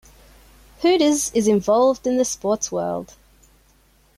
Hooters is involved in the sports world.